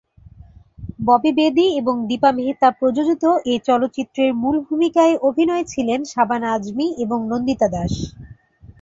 ববি বেদি এবং দীপা মেহতা প্রযোজিত এই চলচ্চিত্রের মূল ভূমিকায় অভিনয়ে ছিলেন, শাবানা আজমি এবং নন্দিতা দাস।